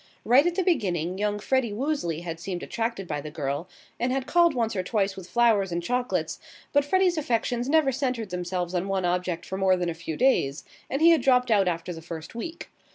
Right at the beginning young Freddie Woosley had seemed attracted by the girl, and had called once or twice with flowers and chocolates, but Freddie's affections never centred themselves on one object for more than a few days, and he had dropped out after the first week.